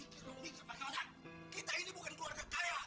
upi tidak mau dijodohi sama laki laki tua itu pak